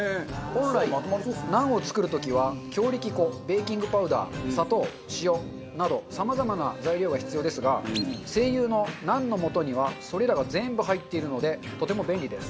本来ナンを作る時は強力粉ベーキングパウダー砂糖塩などさまざまな材料が必要ですがＳＥＩＹＵのナンの素にはそれらが全部入っているのでとても便利です。